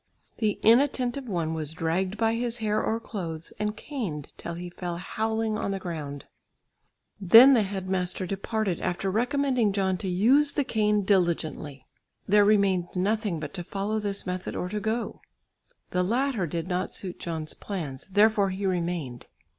The inattentive one was dragged by his hair or clothes and caned till he fell howling on the ground. Then the head master departed after recommending John to use the cane diligently. There remained nothing but to follow this method or to go; the latter did not suit John's plans, therefore he remained.